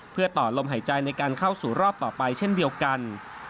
เพื่อต่อลมหายใจในการเข้าสู่รอบต่อไปเช่นเดียวกัน